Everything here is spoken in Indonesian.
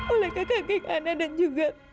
oleh kakak giana dan juga